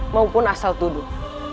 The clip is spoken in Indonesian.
maupun asal tuduh